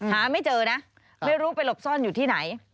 หาไม่เจอนะไม่รู้ไปหลบซ่อนอยู่ที่ไหน